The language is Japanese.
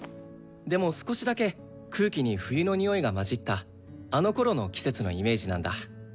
でも少しだけ空気に冬のにおいが混じったあのころの季節のイメージなんだ。